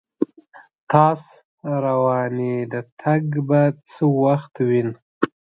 تاس روانیدتک به څه وخت وین